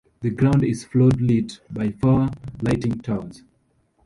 The ground is floodlit by four lighting towers.